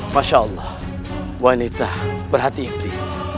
masya allah wanita berhati ikhris